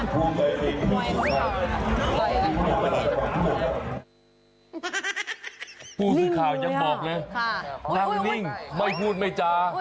ผู้สื่อข่าวยังบอกเลยนั่งนิ่งไม่พูดไม่จา